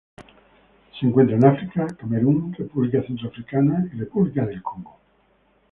Se encuentran en África: Camerún, República Centroafricana y República del Congo.